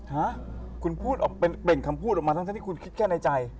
ฮะคุณพูดออกเป็นเปล่งคำพูดออกมาทั้งที่คุณคิดแค่ในใจ